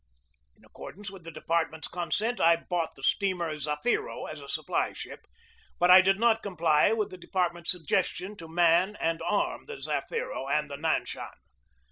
In accordance with the department's consent I bought the steamer Zafiro as a supply ship, but I did not comply with the department's suggestion to man and arm the Zafiro and the Nanshan.